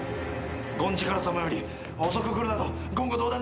権力さまより遅く来るなど言語道断だ。